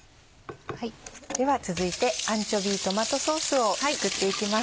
では続いてアンチョビートマトソースを作っていきます。